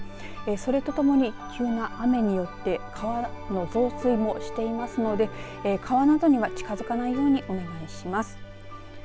それとともに急な雨によって川の増水もしていますので川などには近づかないようにお願いします。